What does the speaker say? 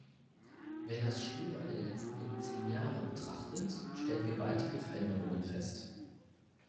Wer das China der letzten zehn Jahre betrachtet, stellt gewaltige Veränderungen fest.